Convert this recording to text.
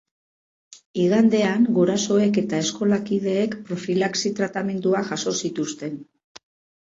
Igandean gurasoek eta eskolakideek profilaxi tratamenduak jaso zituzten.